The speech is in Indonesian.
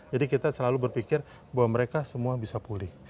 jadi kita selalu berpikir bahwa mereka semua bisa pulih